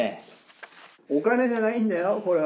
お金じゃないんだよこれは。